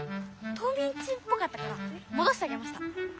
冬みん中っぽかったからもどしてあげました。